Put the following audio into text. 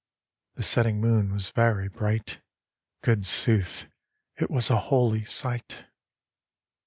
" The setting moon was very bright ; Good sooth, it was a holy sight.